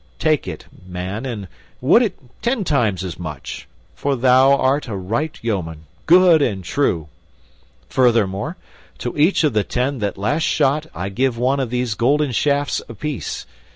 Take it, man, and would it were ten times as much, for thou art a right yeoman, good and true. Furthermore, to each of the ten that last shot I give one of these golden shafts apiece.